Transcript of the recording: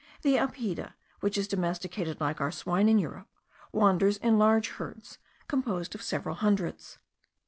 The apida, which is domesticated like our swine in Europe, wanders in large herds composed of several hundreds.